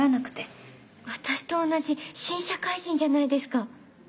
私と同じ新社会人じゃないですか。